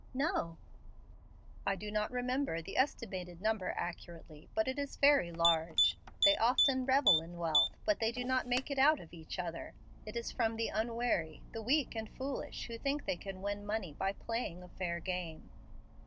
"No." "I do not remember the estimated number accurately, but it is very large. They often revel in wealth, but they do not make it out of each other. It is from the unwary, the 'weak and foolish' who think they can win money by playing a fair game.